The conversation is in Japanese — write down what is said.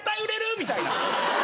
みたいな。